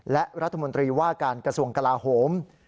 และรัฐมนตรีว่าการกระทรวงกลาโหม